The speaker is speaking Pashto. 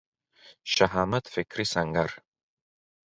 شهامت فکري سنګر